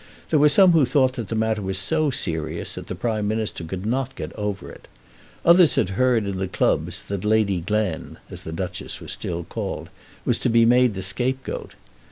There were some who thought that the matter was so serious that the Prime Minister could not get over it. Others had heard in the clubs that Lady Glen, as the Duchess was still called, was to be made the scapegoat.